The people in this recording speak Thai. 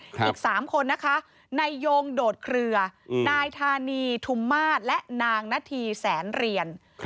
อีก๓คนนะคะนายโยงโดดเครือนายธานีทุมมาศและนางนาธีแสนเรียน